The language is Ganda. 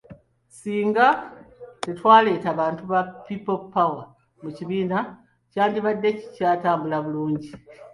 Singa tetwaleeta bantu ba Pipo pawa mu kibiina, kyandibadde kikyatambula bulungi